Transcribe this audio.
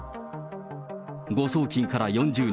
誤送金から４０日。